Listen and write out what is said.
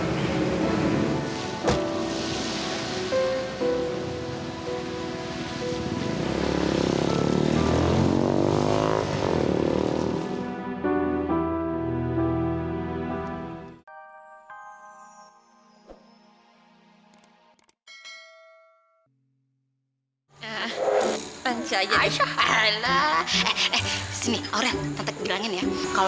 nanti gak sengaja